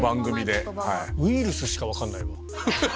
ウイルスしか分かんない。